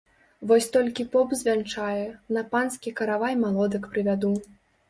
Вось толькі поп звянчае, на панскі каравай малодак прывяду.